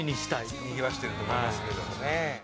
伊達：にぎわしてると思いますけどもね。